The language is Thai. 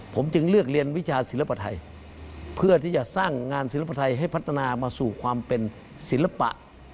ผมจึงเลือกเรียนวิชาศิลปไทยเพื่อที่จะสร้างงานศิลปไทยให้พัฒนามาสู่ความเป็นศิลปะ